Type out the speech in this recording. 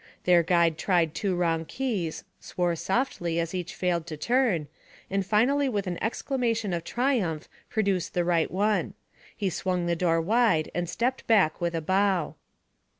Their guide tried two wrong keys, swore softly as each failed to turn, and finally with an exclamation of triumph produced the right one. He swung the door wide and stepped back with a bow.